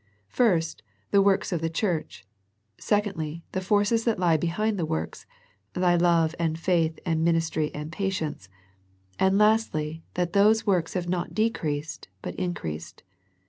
First, the works of the church ; secondly, the forces that lie be hind the works —" thy love and faith and min istry and patience;" and lastly that those works have not decreased but increased.